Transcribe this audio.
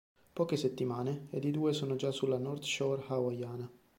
Poche settimane, ed i due sono già sulla "north shore" hawaiana.